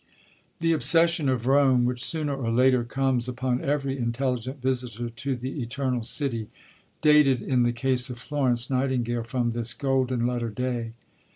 The obsession of Rome, which sooner or later comes upon every intelligent visitor to the Eternal City, dated in the case of Florence Nightingale from this golden letter day.